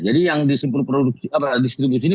jadi yang di simpul distribusi ini